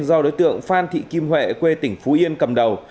do đối tượng phan thị kim huệ quê tỉnh phú yên cầm đầu